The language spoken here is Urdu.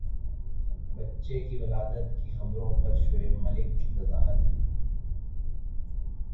بچے کی ولادت کی خبروں پر شعیب ملک کی وضاحت